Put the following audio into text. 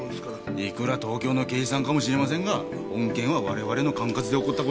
いくら東京の刑事さんかもしれませんが本件は我々の管轄で起こった事。